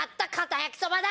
焼きそばだ！